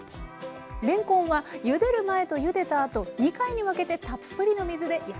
れんこんはゆでる前とゆでたあと２回に分けてたっぷりの水で優しく洗います。